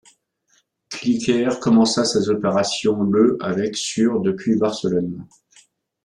Clickair commença ses opérations le avec sur depuis Barcelone.